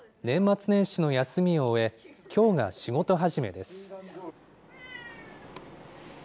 年末年始の休みを終え、きょうが仕事始めです。